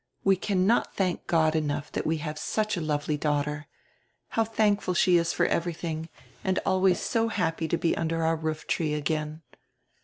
We cannot thank God enough that we have such a lovely daughter. How thankful she is for everything, and always so happy to be under our roof tree again."